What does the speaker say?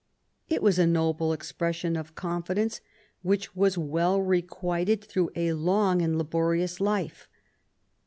It was a noble expression of confidence which was well requited through a long and laborious life.